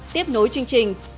tiếp nối chương trình